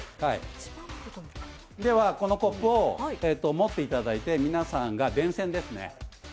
では、このコップを持っていただいて、皆さんが電線ですね。